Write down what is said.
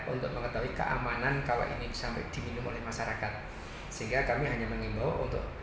untuk mengetahui keamanan kalau ini sampai diminum oleh masyarakat sehingga kami hanya mengimbau untuk